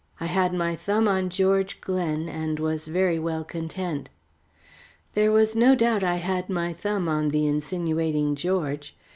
I had my thumb on George Glen, and was very well content. There was no doubt I had my thumb on the insinuating George.